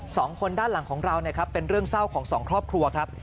สองคนด้านหลังของเรานะครับเป็นเรื่องเศร้าของสองครอบครัวครับ